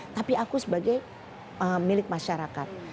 tapi aku sebagai milik masyarakat